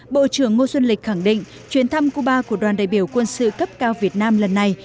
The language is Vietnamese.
bộ trưởng ngô xuân lịch khẳng định chuyến thăm cuba của đoàn đại biểu quân sự cấp cao việt nam lần này